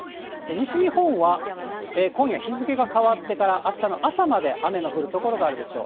西日本は今夜、日付が変わってから、あしたの朝まで雨の降る所があるでしょう。